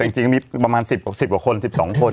แต่จริงมีประมาณ๑๐กว่าคน๑๒คน